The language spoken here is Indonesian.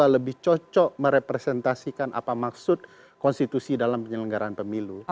lebih cocok merepresentasikan apa maksud konstitusi dalam penyelenggaraan pemilu